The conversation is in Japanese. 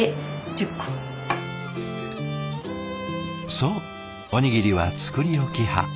そうおにぎりは作り置き派。